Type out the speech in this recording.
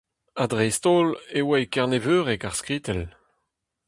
Ha, dreist-holl, e oa e kerneveureg ar skritell !